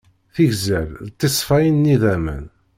Tigeẓẓal d tiṣeffayin n yidammen.